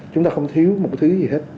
chúng ta không thiếu một thứ gì hết